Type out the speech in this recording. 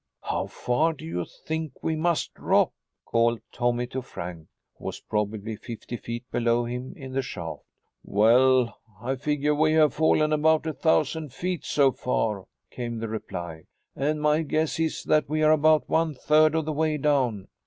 "How far do you think we must drop?" called Tommy to Frank, who was probably fifty feet below him in the shaft. "Well, I figure we have fallen about a thousand feet so far," came the reply, "and my guess is that we are about one third of the way down."